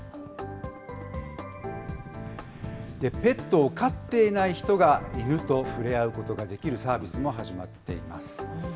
ペットを飼っていない人が犬と触れ合うことができるサービスも始まっています。